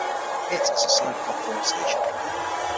It is a side-platform station.